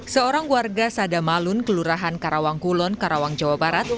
seorang warga sadamalun kelurahan karawangkulon karawang jawa barat